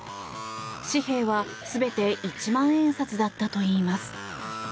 紙幣は全て一万円札だったといいます。